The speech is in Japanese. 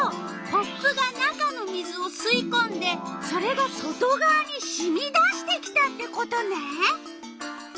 コップが中の水をすいこんでそれが外がわにしみ出してきたってことね！